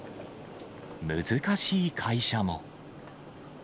難しい会社も。